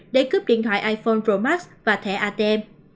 để cướp điện thoại iphone pro max và thẻ iphone